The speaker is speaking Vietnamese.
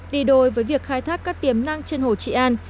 đi đôi với việc khai thác các tiềm năng trên hồ trị an